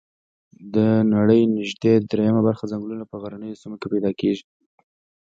د نړۍ نږدي دریمه برخه ځنګلونه په غرنیو سیمو کې پیدا کیږي